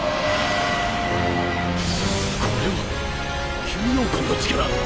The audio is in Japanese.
これは！